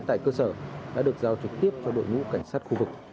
tại cơ sở đã được giao trực tiếp cho đội ngũ cảnh sát khu vực